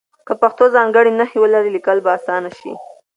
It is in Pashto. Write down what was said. که پښتو ځانګړې نښې ولري لیکل به اسانه شي.